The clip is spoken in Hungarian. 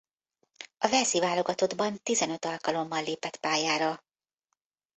A walesi válogatottban tizenöt alkalommal lépett pályára.